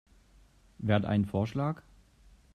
Wer hat einen Vorschlag?